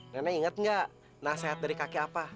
nenek ingat gak nasihat dari kakek apa